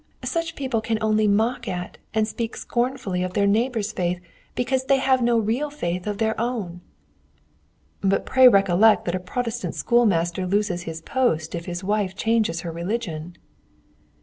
Such people can only mock at and speak scornfully of their neighbours' faith because they have no real faith of their own." "But pray recollect that a Protestant schoolmaster loses his post if his wife changes her religion."